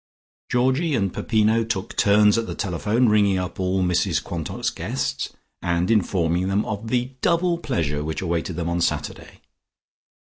Georgie and Peppino took turns at the telephone, ringing up all Mrs Quantock's guests, and informing them of the double pleasure which awaited them on Saturday.